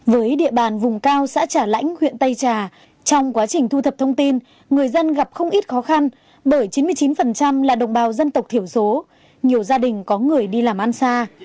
với địa bàn vùng cao xã trà lãnh huyện tây trà trong quá trình thu thập thông tin người dân gặp không ít khó khăn bởi chín mươi chín là đồng bào dân tộc thiểu số nhiều gia đình có người đi làm ăn xa